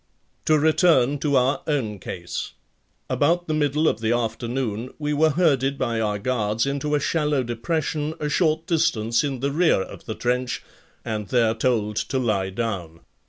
To return to our own case: About the middle of the afternoon we were herded by our guards into a shallow depression a short distance in the rear of the trench and there told to lie down.